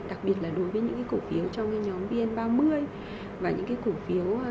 đặc biệt là đối với những củ phiếu trong nhóm vn ba mươi